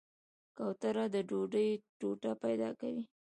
کوتره د ډوډۍ ټوټه پیدا کوي.